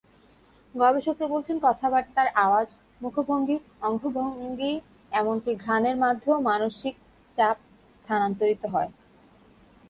গবেষকেরা বলছেন কথাবার্তার আওয়াজ, মুখভঙ্গি, অঙ্গভঙ্গি—এমনকি ঘ্রাণের মাধ্যমেও মানসিক চাপ স্থানান্তরিত হয়।